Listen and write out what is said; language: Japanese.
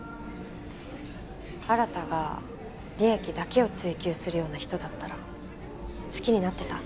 新が利益だけを追求するような人だったら好きになってた？